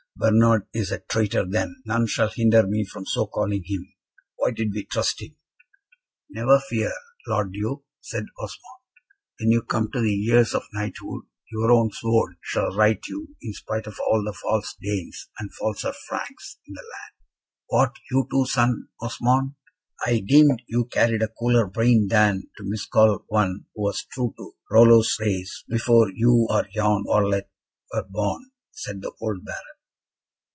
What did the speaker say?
Bernard is a traitor then! None shall hinder me from so calling him. Why did we trust him?" "Never fear, Lord Duke," said Osmond. "When you come to the years of Knighthood, your own sword shall right you, in spite of all the false Danes, and falser Franks, in the land." "What! you too, son Osmond? I deemed you carried a cooler brain than to miscall one who was true to Rollo's race before you or yon varlet were born!" said the old Baron.